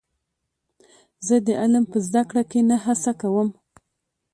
زه د علم په زده کړه کې نه هڅه کوم.